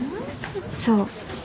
そう